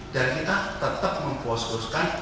dan kita tetap memfokuskan